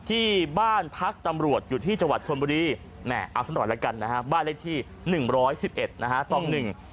ที่บ้านพักตำรวจอยู่ที่จังหวัดธวรรมดีเอาสำหรับแล้วกันนะฮะบ้านเลขที่๑๑๑นะฮะต้อง๑